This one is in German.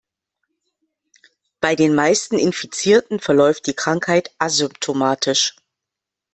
Bei den meisten Infizierten verläuft die Krankheit asymptomatisch.